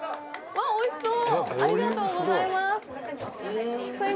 わおいしそう。